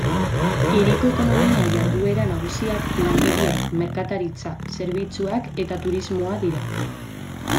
Hiriko ekonomia-jarduera nagusiak, lantegiak, merkataritza, zerbitzuak eta turismoa dira.